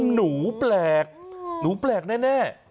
หนูแปลกหนูแปลกแน่